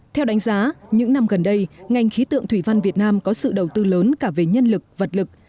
theo đánh giá những năm gần đây ngành khí tượng thủy văn việt nam có sự đầu tư lớn cả về nhân lực vật lực